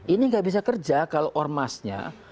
ini nggak bisa kerja kalau ormasnya